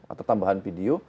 atau tambahan video